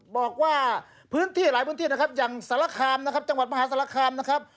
บอกว่าพื้นที่หลายพื้นที่นะครับอย่างสารคามนะครับจังหวัดมหาศาลคามนะครับ